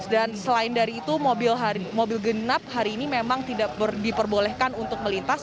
dan selain dari itu mobil genap hari ini memang tidak diperbolehkan untuk melintas